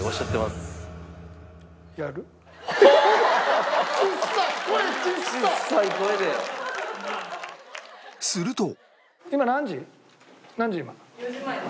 すると